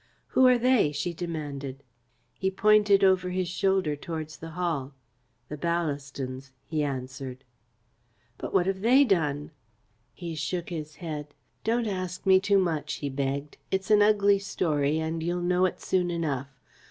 "Who are they?" she demanded. He pointed over his shoulder towards the Hall. "The Ballastons," he answered. "But what have they done?" He shook his head. "Don't ask me too much," he begged. "It's an ugly story, and you'll know it soon enough.